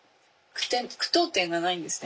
句読点がないんですね